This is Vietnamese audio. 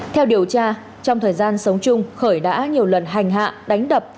theo điều tra trong thời gian sống chung khởi đã nhiều lần hành hạ đánh đập